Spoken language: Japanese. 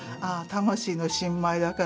魂の新米だからね。